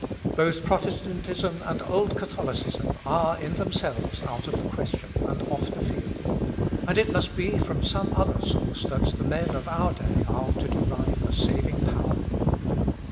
Both Protestantism and old Catholicism are in themselves out of the question, and off the field; and it must be from some other source that the men of our day are to derive a saving power.